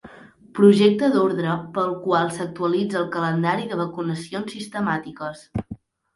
Projecte d'ordre pel qual s'actualitza el calendari de vacunacions sistemàtiques.